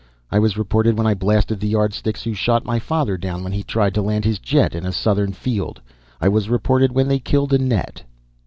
I was reported when I blasted the Yardsticks who shot my father down when he tried to land his jet in a southern field. I was reported when they killed Annette."